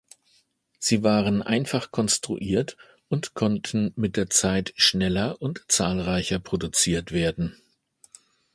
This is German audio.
Sie waren einfach konstruiert und konnten mit der Zeit schneller und zahlreicher produziert werden.